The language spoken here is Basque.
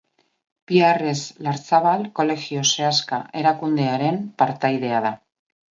Piarres Larzabal kolegioa Seaska erakundearen partaidea da.